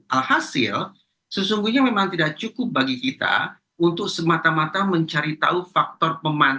alhasil sesungguhnya memang tidak cukup bagi kita untuk semata mata mencari tahu faktor